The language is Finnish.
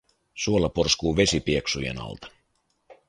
Suolla porskuu vesi pieksujen alta.